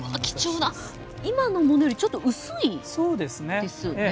今のものよりちょっと薄いですよね。